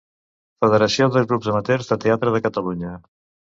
Federació de Grups Amateurs de Teatre de Catalunya.